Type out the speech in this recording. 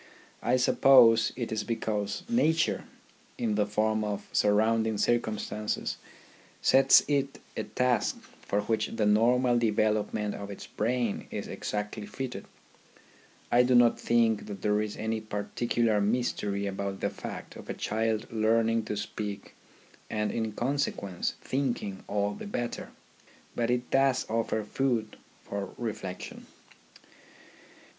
I suppose it is because nature, in the form of surrounding circumstances, sets it a task for which the normal THE RHYTHM OF EDUCATION 15 development of its brain is exactly fitted. I do not think that there is any particular mystery about the fact of a child learning to speak and in consequence thinking all the better ; but it does offer food for reflection.